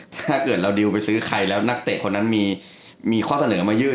ถ้าเกิดเราดิวไปซื้อใครแล้วนักเตะคนนั้นมีข้อเสนอมายื่น